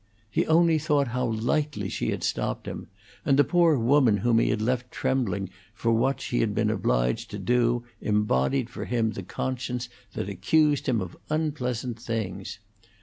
He only thought how lightly she had stopped him, and the poor woman whom he had left trembling for what she had been obliged to do embodied for him the conscience that accused him of unpleasant things.